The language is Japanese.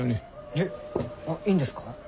えっいいんですか？